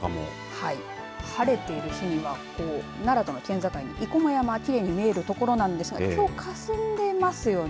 はい、晴れている日には奈良との県境に生駒山きれいに見える所なんですがきょう、かすんでいますよね。